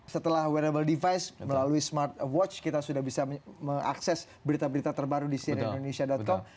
setelah wearable device melalui smart watch kita sudah bisa mengakses berita berita terbaru di sirendonesia com